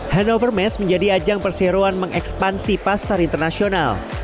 hannover mess menjadi ajang perseroan mengekspansi pasar internasional